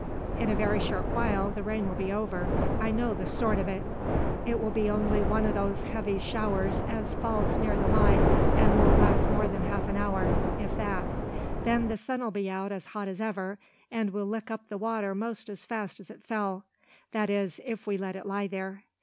In a very short while the rain will be over. I know the sort o' it. It be only one o' these heavy showers as falls near the line, and won't last more than half an hour, if that. Then the sun 'll be out as hot as ever, an' will lick up the water most as fast as it fell, that is, if we let it lie there.